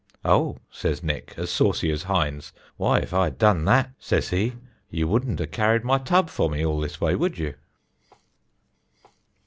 'Oh,' says Nick, as saucy as Hinds, 'why, if I had done that,' says he, 'you wouldn't a carried my tub for me all this way, would you?'"